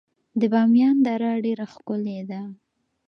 د بامیان دره ډیره ښکلې ده